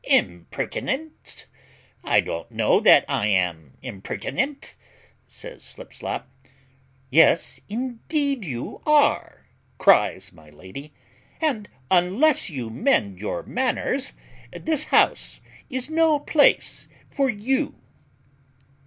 "Impertinence! I don't know that I am impertinent," says Slipslop. "Yes, indeed you are," cries my lady, "and, unless you mend your manners, this house is no place for you."